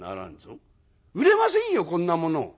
「売れませんよこんなもの」。